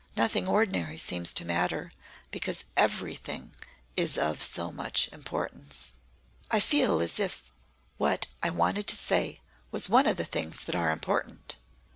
"Nothing ordinary seems to matter because everything is of so much importance." "I feel as if what I wanted to say was one of the things that are important.